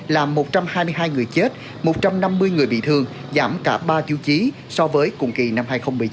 làm một trăm hai mươi hai người chết một trăm năm mươi người bị thương giảm cả ba tiêu chí so với cùng kỳ năm hai nghìn một mươi chín